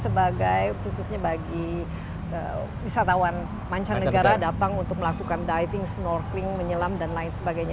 sebagai khususnya bagi wisatawan mancanegara datang untuk melakukan diving snorkeling menyelam dan lain sebagainya